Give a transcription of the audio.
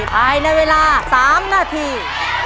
ภายในเวลา๓นาที